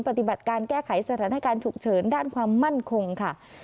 ปฏิบัติการแก้ไขสถานการณ์ฉุกเฉินด้านความมั่นคงค่ะ